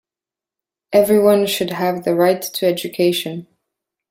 Everyone should have the right to education.